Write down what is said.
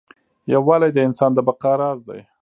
یووالی د انسان د بقا راز دی.